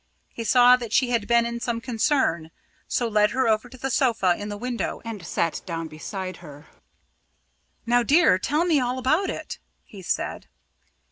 He saw that she had been in some concern, so led her over to the sofa in the window and sat down beside her. "Now, dear, tell me all about it!" he said.